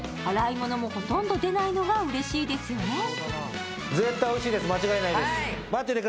洗い物もほとんど出ないのがうれしいですよね。